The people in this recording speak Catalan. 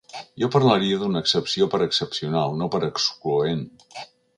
Jo parlaria d’una excepció per excepcional, no per excloent.